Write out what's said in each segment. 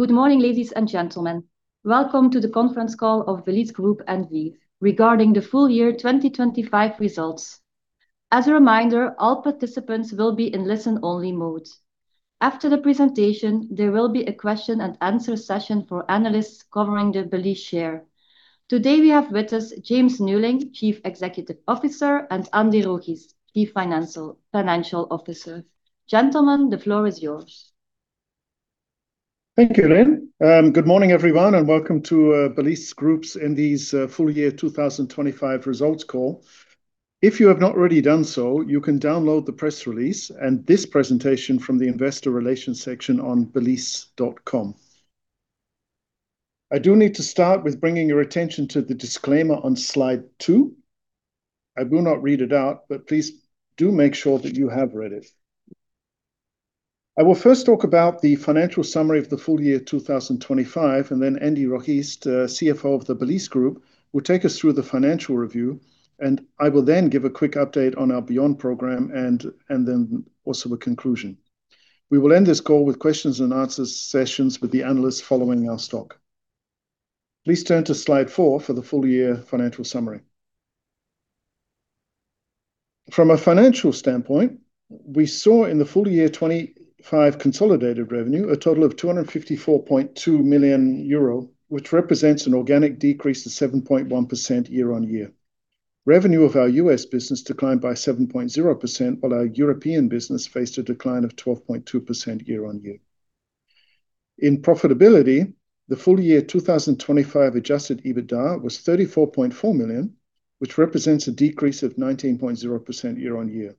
Good morning, ladies and gentlemen. Welcome to the conference call of Belysse Group NV regarding the full year 2025 results. As a reminder, all participants will be in listen-only mode. After the presentation, there will be a question and answer session for analysts covering the Belysse share. Today, we have with us James Neuling, Chief Executive Officer, and Andy Rogiest, Chief Financial Officer. Gentlemen, the floor is yours. Thank you, Lynn. Good morning, everyone, and welcome to Belysse Group NV's full year 2025 results call. If you have not already done so, you can download the press release and this presentation from the investor relations section on belysse.com. I do need to start with bringing your attention to the disclaimer on slide two. I will not read it out, but please do make sure that you have read it. I will first talk about the financial summary of the full year 2025, and then Andy Rogiest, CFO of the Belysse Group, will take us through the financial review. I will then give a quick update on our BEYOND program and then also a conclusion. We will end this call with a Q&A session with the analysts following our talk. Please turn to slide 4 for the full year financial summary. From a financial standpoint, we saw in the full year 2025 consolidated revenue, a total of 254.2 million euro, which represents an organic decrease of 7.1% year-on-year. Revenue of our U.S. business declined by 7.0%, while our European business faced a decline of 12.2% year-on-year. In profitability, the full year 2025 adjusted EBITDA was 34.4 million, which represents a decrease of 19.0% year-on-year.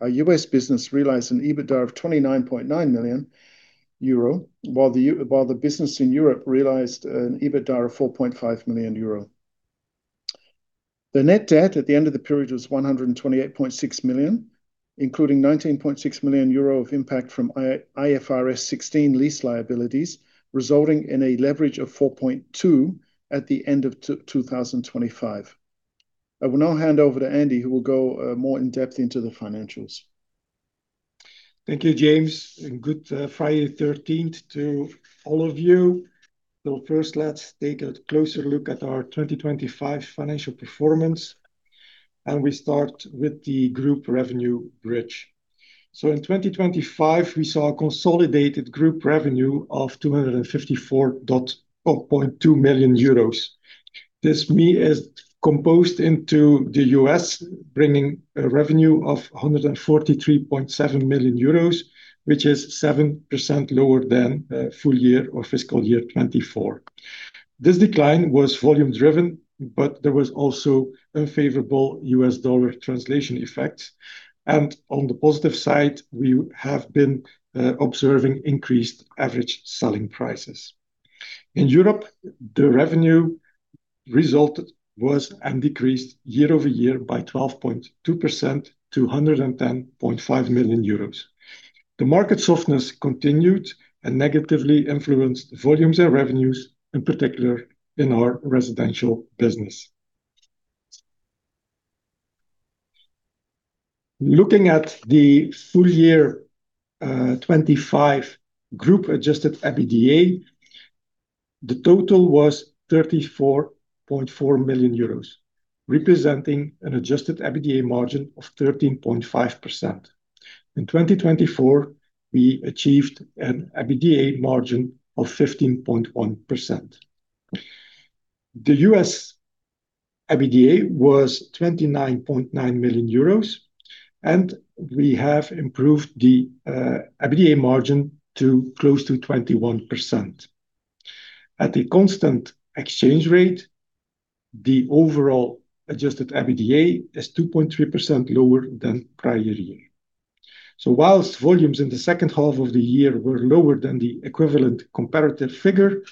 Our U.S. business realized an EBITDA of 29.9 million euro, while the business in Europe realized an EBITDA of 4.5 million euro. The net debt at the end of the period was 128.6 million, including 19.6 million euro of impact from IFRS 16 lease liabilities, resulting in a leverage of 4.2 at the end of 2025. I will now hand over to Andy, who will go more in-depth into the financials. Thank you, James, and good Friday 13th to all of you. First, let's take a closer look at our 2025 financial performance, and we start with the group revenue bridge. In 2025, we saw a consolidated group revenue of 254.2 million euros. This is composed of the U.S. bringing a revenue of 143.7 million euros, which is 7% lower than full year or fiscal year 2024. This decline was volume driven, but there was also unfavorable U.S. dollar translation effects. On the positive side, we have been observing increased average selling prices. In Europe, the revenue result was decreased year-over-year by 12.2% to 110.5 million euros. The market softness continued and negatively influenced volumes and revenues, in particular in our residential business. Looking at the full year, 2025 Group adjusted EBITDA, the total was 34.4 million euros, representing an adjusted EBITDA margin of 13.5%. In 2024, we achieved an EBITDA margin of 15.1%. The U.S. EBITDA was 29.9 million euros, and we have improved the EBITDA margin to close to 21%. At a constant exchange rate, the overall adjusted EBITDA is 2.3% lower than prior year. Whilst volumes in the second half of the year were lower than the equivalent comparative figure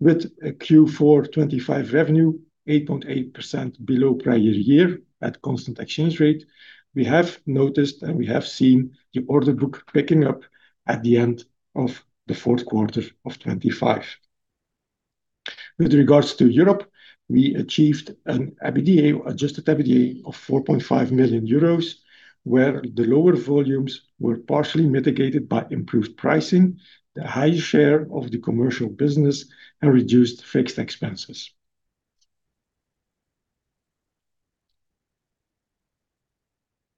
with a Q4 2025 revenue 8.8% below prior year at constant exchange rate, we have noticed and we have seen the order book picking up at the end of the fourth quarter of 2025. With regards to Europe, we achieved an adjusted EBITDA of 4.5 million euros, where the lower volumes were partially mitigated by improved pricing, the high share of the commercial business, and reduced fixed expenses.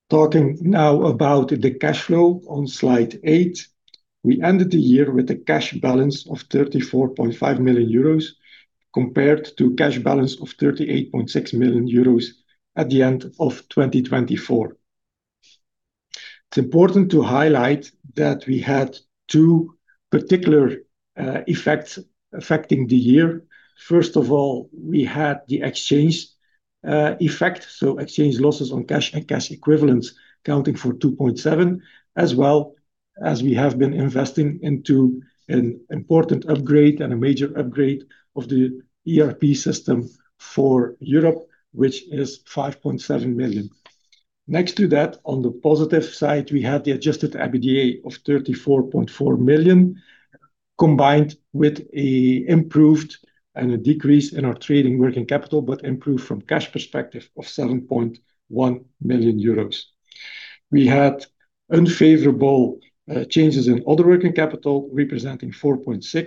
Talking now about the cash flow on slide eight. We ended the year with a cash balance of 34.5 million euros compared to cash balance of 38.6 million euros at the end of 2024. It's important to highlight that we had two particular effects affecting the year. First of all, we had the exchange effect, so exchange losses on cash and cash equivalents accounting for 2.7 million, as well as we have been investing into an important upgrade and a major upgrade of the ERP system for Europe, which is 5.7 million. Next to that, on the positive side, we had the adjusted EBITDA of 34.4 million, combined with an improved and a decrease in our trading working capital, but improved from cash perspective of 7.1 million euros. We had unfavorable changes in other working capital representing 4.6 million.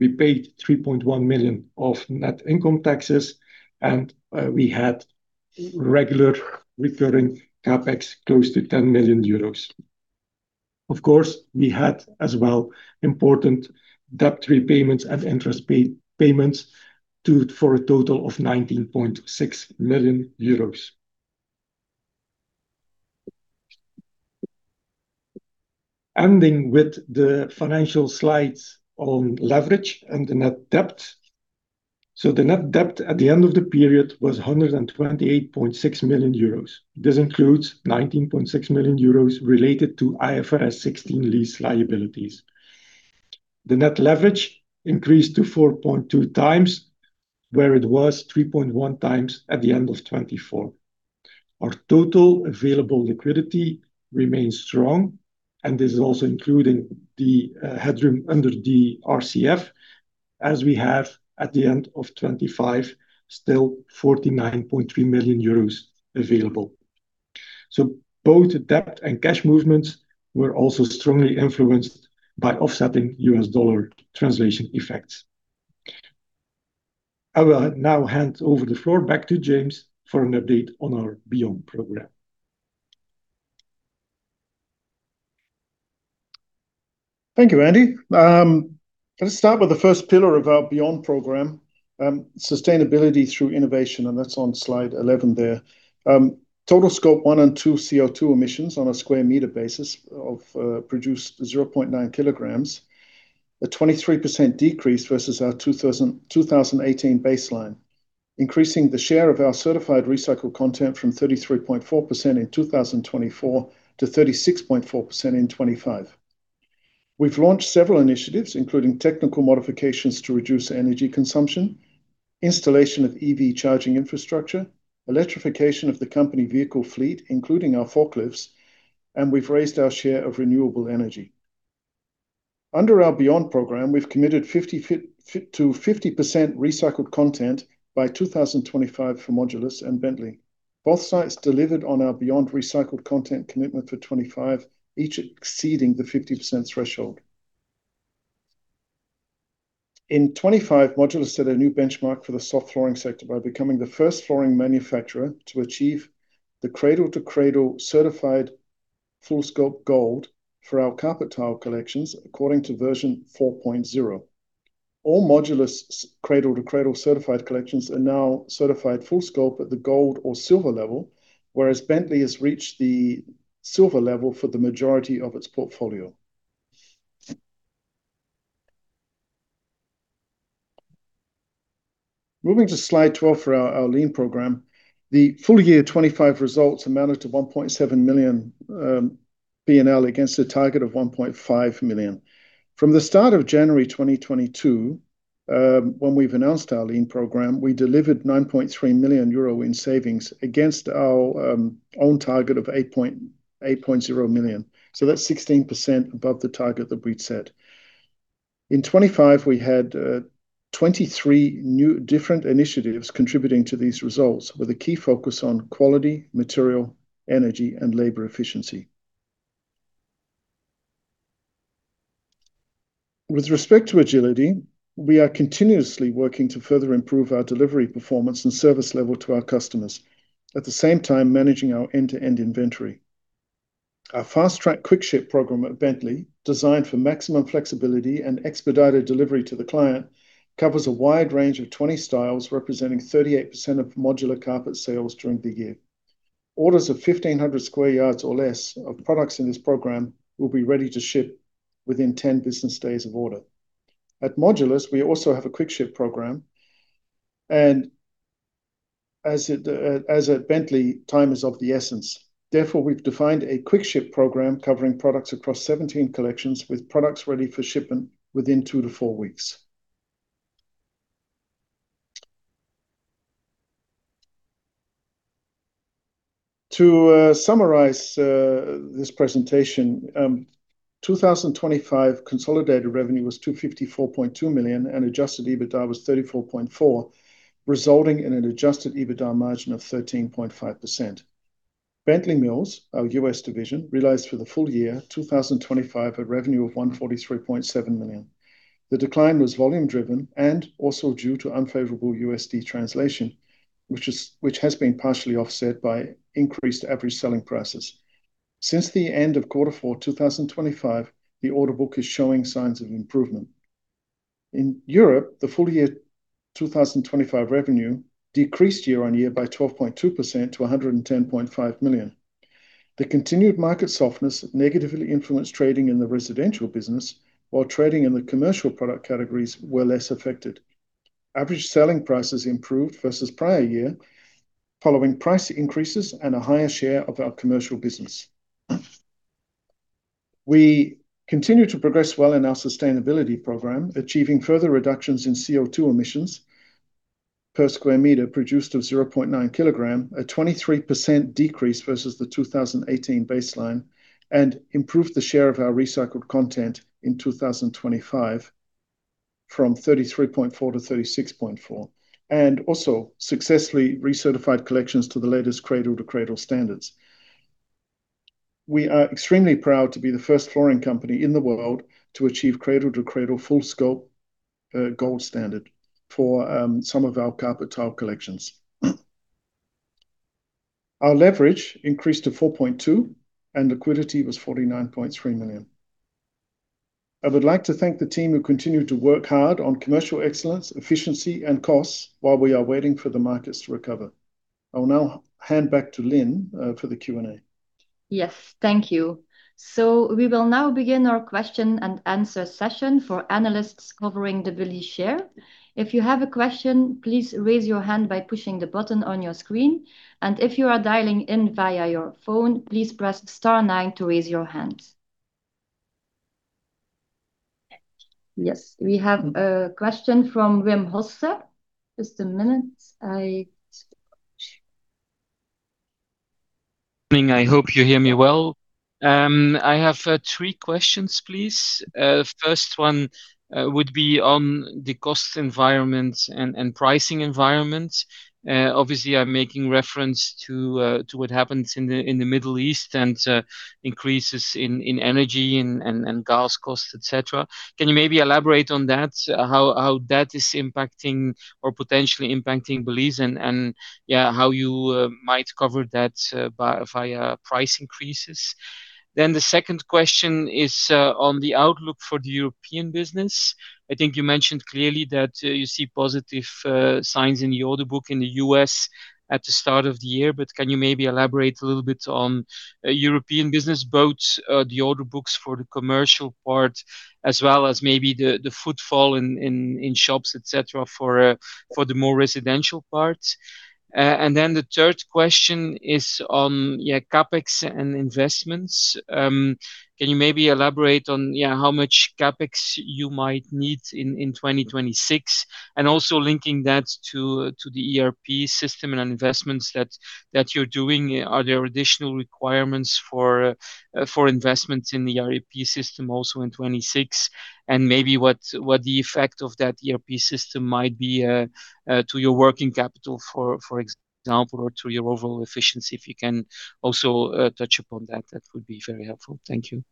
We paid 3.1 million of net income taxes, and we had regular recurring CapEx close to 10 million euros. Of course, we had as well important debt repayments and interest payments for a total of 19.6 million euros. Ending with the financial slides on leverage and the net debt. The net debt at the end of the period was 128.6 million euros. This includes 19.6 million euros related to IFRS 16 lease liabilities. The net leverage increased to 4.2x, where it was 3.1x at the end of 2024. Our total available liquidity remains strong, and this is also including the headroom under the RCF, as we have at the end of 2025, still 49.3 million euros available. Both debt and cash movements were also strongly influenced by offsetting U.S. dollar translation effects. I will now hand over the floor back to James for an update on our BEYOND program. Thank you, Andy. Let's start with the first pillar of our BEYOND program, sustainability through innovation, and that's on slide 11 there. Total Scope 1 and Scope 2 CO₂ emissions on a square meter basis of produced 0.9 kilograms, a 23% decrease versus our 2018 baseline. Increasing the share of our certified recycled content from 33.4% in 2024 to 36.4% in 2025. We've launched several initiatives, including technical modifications to reduce energy consumption, installation of EV charging infrastructure, electrification of the company vehicle fleet, including our forklifts, and we've raised our share of renewable energy. Under our BEYOND program, we've committed 50%-50% recycled content by 2025 for modulyss and Bentley. Both sites delivered on our BEYOND recycled content commitment for 2025, each exceeding the 50% threshold. In 2025, modulyss set a new benchmark for the soft flooring sector by becoming the first flooring manufacturer to achieve the Cradle to Cradle certified full scope gold for our carpet tile collections, according to version 4.0. All modulyss's Cradle to Cradle certified collections are now certified full scope at the gold or silver level, whereas Bentley has reached the silver level for the majority of its portfolio. Moving to slide 12 for our Lean program. The full year 2025 results amounted to 1.7 million P&L against a target of 1.5 million. From the start of January 2022, when we've announced our Lean program, we delivered 9.3 million euro in savings against our own target of 8.8 million. That's 16% above the target that we'd set. In 2025, we had 23 new different initiatives contributing to these results, with a key focus on quality, material, energy, and labor efficiency. With respect to agility, we are continuously working to further improve our delivery performance and service level to our customers, at the same time managing our end-to-end inventory. Our Fast Track Quick Ship program at Bentley, designed for maximum flexibility and expedited delivery to the client, covers a wide range of 20 styles, representing 38% of modulyss carpet sales during the year. Orders of 1,500 square yards or less of products in this program will be ready to ship within 10 business days of order. At Modulyss, we also have a quick ship program. At Bentley, time is of the essence. Therefore, we've defined a quick ship program covering products across 17 collections, with products ready for shipment within 2 weeks-4 weeks. To summarize this presentation, 2025 consolidated revenue was 254.2 million, and adjusted EBITDA was 34.4 million, resulting in an adjusted EBITDA margin of 13.5%. Bentley Mills, our U.S. division, realized for the full year 2025 a revenue of $143.7 million. The decline was volume-driven and also due to unfavorable USD translation, which has been partially offset by increased average selling prices. Since the end of quarter four, 2025, the order book is showing signs of improvement. In Europe, the full year 2025 revenue decreased year-on-year by 12.2% to 110.5 million. The continued market softness negatively influenced trading in the residential business while trading in the commercial product categories were less affected. Average selling prices improved versus prior year following price increases and a higher share of our commercial business. We continue to progress well in our sustainability program, achieving further reductions in CO₂ emissions per square meter produced of 0.9 kilogram, a 23% decrease versus the 2018 baseline and improved the share of our recycled content in 2025 from 33.4%-36.4%, and also successfully recertified collections to the latest Cradle to Cradle standards. We are extremely proud to be the first flooring company in the world to achieve Cradle to Cradle full scope, gold standard for, some of our carpet tile collections. Our leverage increased to 4.2x and liquidity was 49.3 million. I would like to thank the team who continue to work hard on commercial excellence, efficiency and costs while we are waiting for the markets to recover. I will now hand back to Lynn for the Q&A. Yes. Thank you. We will now begin our question and answer session for analysts covering the Belysse share. If you have a question, please raise your hand by pushing the button on your screen. If you are dialing in via your phone, please press star nine to raise your hand. Yes, we have a question from Wim Hoste. Just a minute. Good morning. I hope you hear me well. I have three questions please. First one would be on the cost environment and pricing environment. Obviously I'm making reference to what happens in the Middle East and increases in energy and gas costs, et cetera. Can you maybe elaborate on that, how that is impacting or potentially impacting Belysse and yeah, how you might cover that by via price increases? Then the second question is on the outlook for the European business. I think you mentioned clearly that you see positive signs in the order book in the U.S. at the start of the year, but can you maybe elaborate a little bit on European business, both the order books for the commercial part as well as maybe the footfall in shops, et cetera, for the more residential part? Then the third question is on yeah, CapEx and investments. Can you maybe elaborate on yeah, how much CapEx you might need in 2026? Also linking that to the ERP system and investments that you're doing. Are there additional requirements for investments in the ERP system also in 2026? Maybe what the effect of that ERP system might be to your working capital, for example, or to your overall efficiency if you can also touch upon that would be very helpful. Thank you.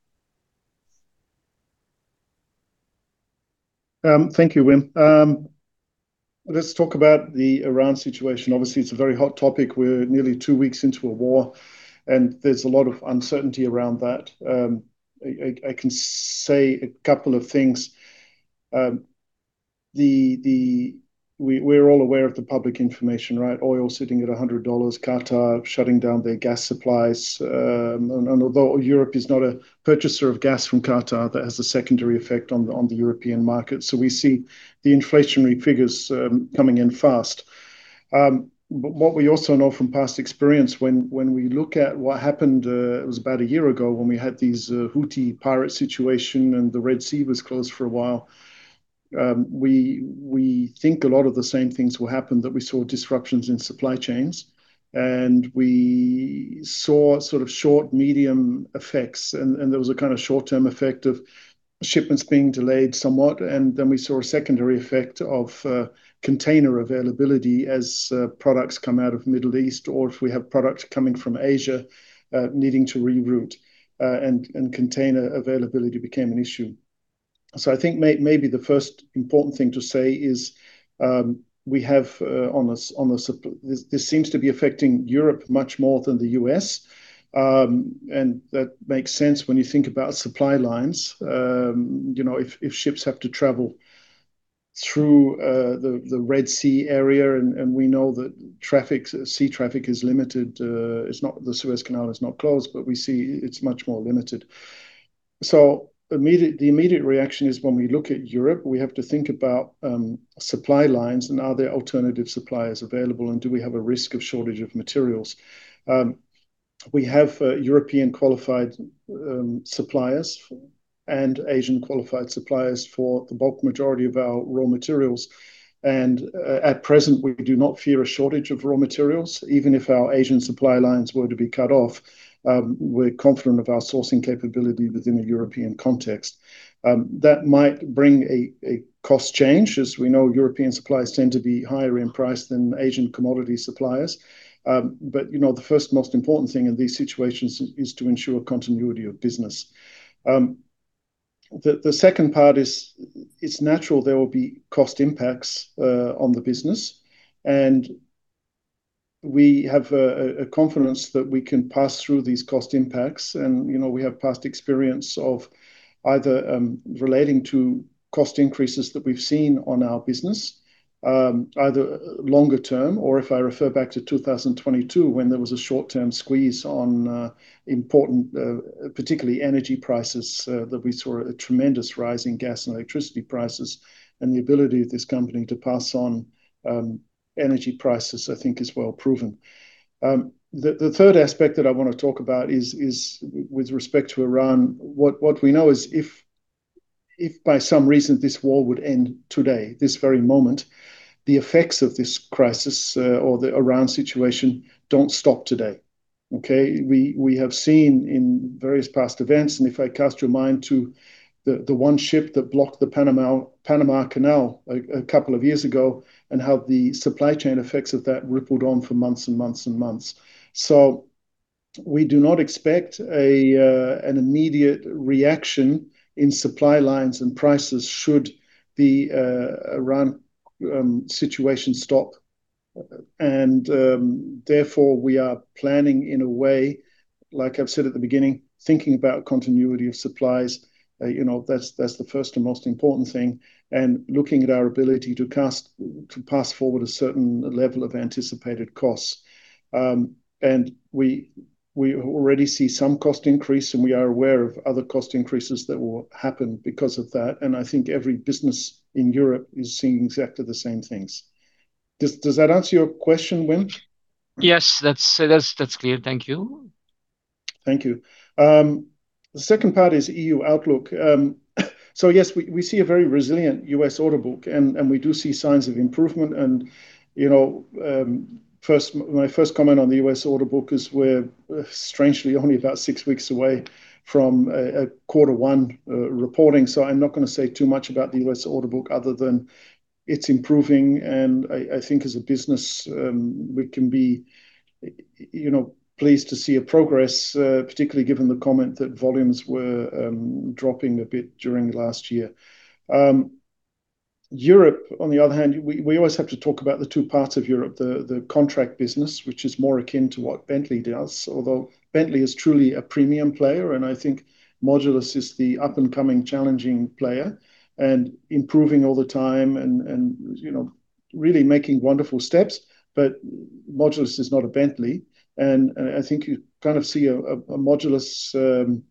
Thank you, Wim. Let's talk about the Iran situation. Obviously, it's a very hot topic. We're nearly two weeks into a war, and there's a lot of uncertainty around that. I can say a couple of things. We're all aware of the public information, right? Oil sitting at $100, Qatar shutting down their gas supplies. Although Europe is not a purchaser of gas from Qatar, that has a secondary effect on the European market. We see the inflationary figures coming in fast. What we also know from past experience when we look at what happened, it was about a year ago when we had these Houthi pirate situation and the Red Sea was closed for a while. We think a lot of the same things will happen that we saw disruptions in supply chains and we saw sort of short- to medium-term effects, and there was a kind of short-term effect of shipments being delayed somewhat, and then we saw a secondary effect of container availability as products come out of Middle East or if we have product coming from Asia needing to reroute, and container availability became an issue. I think maybe the first important thing to say is we have on a supply. This seems to be affecting Europe much more than the U.S., and that makes sense when you think about supply lines. You know, if ships have to travel through the Red Sea area and we know that traffic, sea traffic is limited. It's not. The Suez Canal is not closed, but we see it's much more limited. The immediate reaction is when we look at Europe, we have to think about supply lines and are there alternative suppliers available and do we have a risk of shortage of materials. We have European qualified suppliers and Asian qualified suppliers for the bulk majority of our raw materials. At present, we do not fear a shortage of raw materials. Even if our Asian supply lines were to be cut off, we're confident of our sourcing capability within a European context. That might bring a cost change, as we know European suppliers tend to be higher in price than Asian commodity suppliers. You know, the first most important thing in these situations is to ensure continuity of business. The second part is it's natural there will be cost impacts on the business, and we have a confidence that we can pass through these cost impacts. You know, we have past experience of either relating to cost increases that we've seen on our business, either longer term or if I refer back to 2022 when there was a short-term squeeze on imports, particularly energy prices, that we saw a tremendous rise in gas and electricity prices, and the ability of this company to pass on energy prices, I think is well proven. The third aspect that I want to talk about is with respect to Iran. What we know is if by some reason this war would end today, this very moment, the effects of this crisis or the Iran situation don't stop today. Okay? We have seen in various past events, and if I cast your mind to the one ship that blocked the Panama Canal a couple of years ago and how the supply chain effects of that rippled on for months and months and months. We do not expect an immediate reaction in supply lines and prices should the Iran situation stop. Therefore, we are planning in a way, like I've said at the beginning, thinking about continuity of supplies. You know, that's the first and most important thing. Looking at our ability to pass forward a certain level of anticipated costs. We already see some cost increase, and we are aware of other cost increases that will happen because of that, and I think every business in Europe is seeing exactly the same things. Does that answer your question, Wim? Yes. That's clear. Thank you. Thank you. The second part is U.S. outlook. Yes, we see a very resilient U.S. order book, and we do see signs of improvement and, you know, my first comment on the U.S. order book is we're strangely only about six weeks away from a Q1 reporting. I'm not gonna say too much about the U.S. order book other than it's improving. I think as a business, we can be, you know, pleased to see a progress, particularly given the comment that volumes were dropping a bit during last year. Europe, on the other hand, we always have to talk about the two parts of Europe, the contract business, which is more akin to what Bentley does, although Bentley is truly a premium player, and I think modulyss is the up-and-coming challenging player and improving all the time and, you know, really making wonderful steps. But modulyss is not a Bentley, and I think you kind of see a modulyss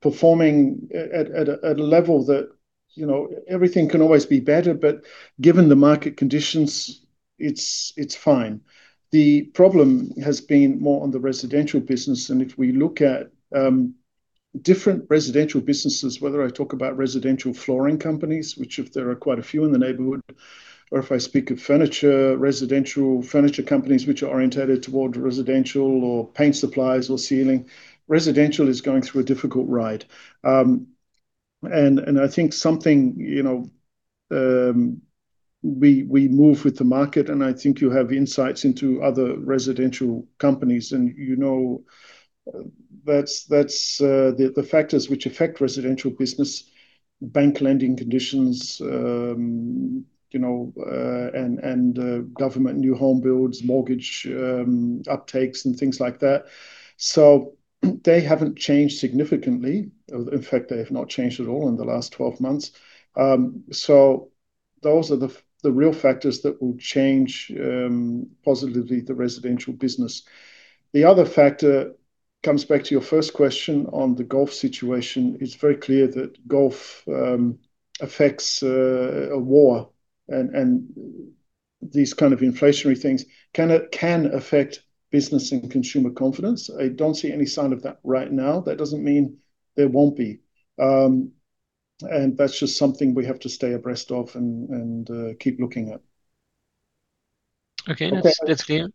performing at a level that, you know, everything can always be better, but given the market conditions, it's fine. The problem has been more on the residential business, and if we look at different residential businesses, whether I talk about residential flooring companies, which there are quite a few in the neighborhood, or if I speak of furniture, residential furniture companies which are oriented toward residential or paint supplies or ceilings. Residential is going through a difficult ride. And I think something, you know, we move with the market, and I think you have insights into other residential companies and, you know, that's the factors which affect residential business, bank lending conditions, you know, and government new home builds, mortgage uptakes and things like that. They haven't changed significantly. In fact, they have not changed at all in the last 12-months. Those are the real factors that will change positively the residential business. The other factor comes back to your first question on the Gulf situation. It's very clear that Gulf affects war and these kind of inflationary things can affect business and consumer confidence. I don't see any sign of that right now. That doesn't mean there won't be. That's just something we have to stay abreast of and keep looking at. Okay. Okay. That's clear.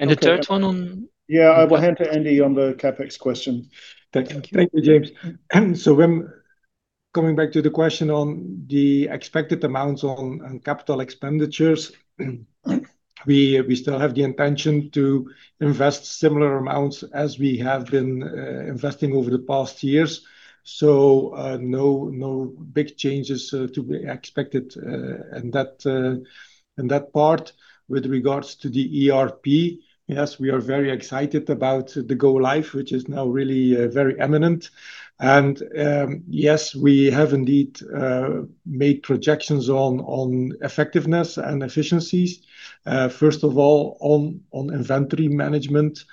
Okay. The third one. Yeah. I will hand to Andy on the CapEx question. Thank you, James. Wim, coming back to the question on the expected amounts on capital expenditures, we still have the intention to invest similar amounts as we have been investing over the past years. No big changes to be expected in that part. With regards to the ERP, yes, we are very excited about the go-live, which is now really very imminent. Yes, we have indeed made projections on effectiveness and efficiencies, first of all, on inventory management.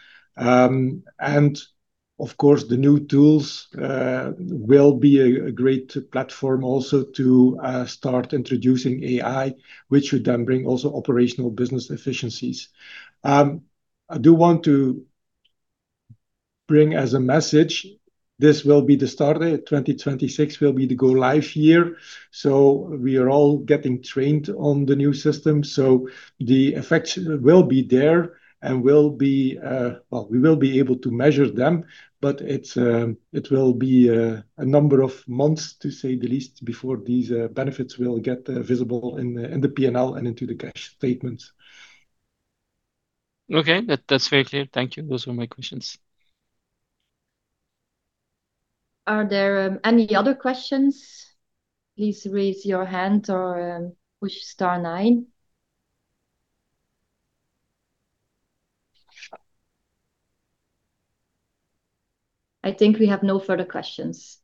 Of course, the new tools will be a great platform also to start introducing AI, which should then bring also operational business efficiencies. I do want to bring as a message, this will be the start. 2026 will be the go-live year. We are all getting trained on the new system, so the effects will be there and will be, well, we will be able to measure them, but it's, it will be a number of months, to say the least, before these benefits will get visible in the P&L and into the cash statements. Okay. That's very clear. Thank you. Those were my questions. Are there, any other questions? Please raise your hand or, push star nine. I think we have no further questions.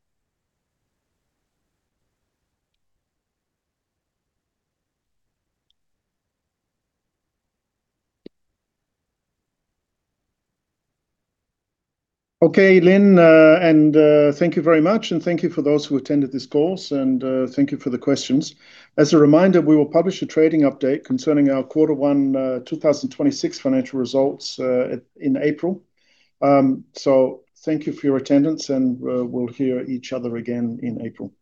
Okay, Lynn, thank you very much, and thank you for those who attended this call, and thank you for the questions. As a reminder, we will publish a trading update concerning our Q1 2026 financial results in April. Thank you for your attendance, and we'll hear each other again in April.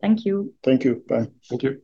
Thank you. Thank you. Bye. Thank you.